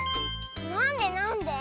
なんでなんで？